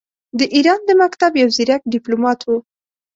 د ایران د مکتب یو ځیرک ډیپلوماټ وو.